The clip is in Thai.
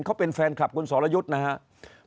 เขาเป็นแฟนคลับคุณสรยุทธ์นะครับ